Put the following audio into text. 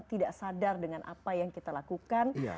tidak sadar dengan apa yang kita lakukan